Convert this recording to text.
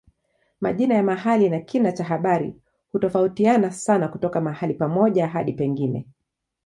Majina ya mahali na kina cha habari hutofautiana sana kutoka mahali pamoja hadi pengine.